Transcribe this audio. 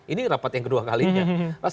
ini rapat yang kedua kalinya